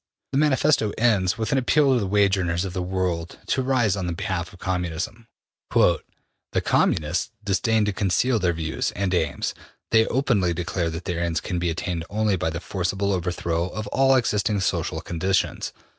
The Manifesto ends with an appeal to the wage earners of the world to rise on behalf of Communism. ``The Communists disdain to conceal their views and aims. They openly declare that their ends can be attained only by the forcible overthrow of all existing social conditions.